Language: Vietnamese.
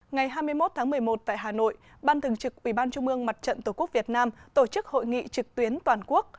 ngày hai mươi một tháng một mươi một tại hà nội ban thường trực ubnd tổ quốc việt nam tổ chức hội nghị trực tuyến toàn quốc